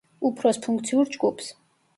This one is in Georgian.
უფროს ფუნქციურ ჯგუფს.